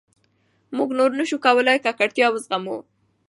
موږ نور نه شو کولای ککړتیا وزغمو.